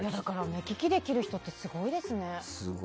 目利きできる人ってすごいですよね。